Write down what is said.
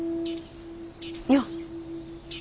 よっ。